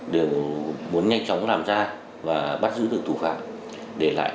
đều muốn nhanh chóng làm ra và bắt giữ được thủ phạm để lại